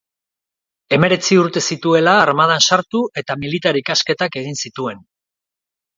Hemeretzi urte zituela armadan sartu, eta militar ikasketak egin zituen.